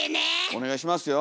お願いしますよ。